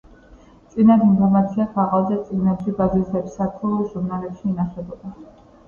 წინათ ინფორმაცია ქაღალდზე - წიგნებში, გაზეთებსა თუ ჟურნალებში ინახებოდა